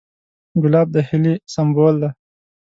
ګلاب د هیلې سمبول دی.